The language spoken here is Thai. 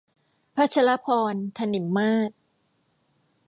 พชรภรณ์ ถนิมมาศ